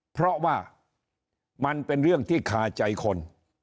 เพราะว่ามันเป็นเรื่องที่คาใจคน